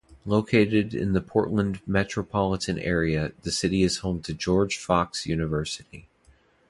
Located in the Portland metropolitan area, the city is home to George Fox University.